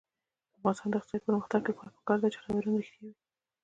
د افغانستان د اقتصادي پرمختګ لپاره پکار ده چې خبرونه رښتیا وي.